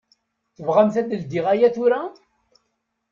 Tebɣamt ad ldiɣ aya tura?